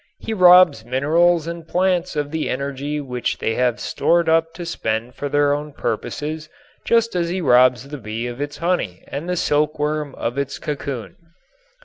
He robs minerals and plants of the energy which they have stored up to spend for their own purposes, just as he robs the bee of its honey and the silk worm of its cocoon.